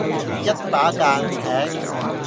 一把間尺